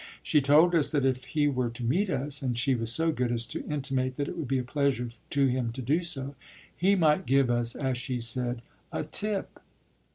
She told us that if he were to meet us and she was so good as to intimate that it would be a pleasure to him to do so he might give us, as she said, a tip."